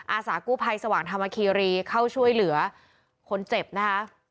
อาสากู้ภัยสว่างธรรมคีรีเข้าช่วยเหลือคนเจ็บนะคะ